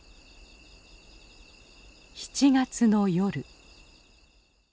７月の夜。